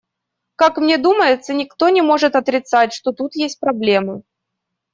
Как мне думается, никто не может отрицать, что тут есть проблема.